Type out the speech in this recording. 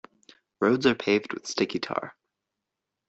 Roads are paved with sticky tar.